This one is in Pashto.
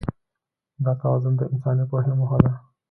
دا توازن د انساني پوهې موخه ده.